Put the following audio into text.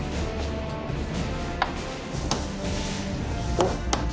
おっ！